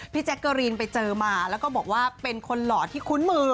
แจ๊กเกอรีนไปเจอมาแล้วก็บอกว่าเป็นคนหล่อที่คุ้นมือ